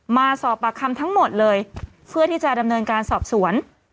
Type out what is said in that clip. มาสอบปากคำทั้งหมดเลยเพื่อที่จะดำเนินการสอบสวน